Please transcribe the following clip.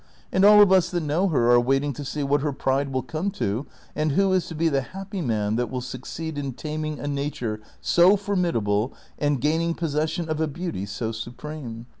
And all of us that know her are waiting to see wdiat her pride will come to, and Avdio is to be the happy man that Avill succeed in taming a nature so formidable and gaining possession of a beauty so supreme.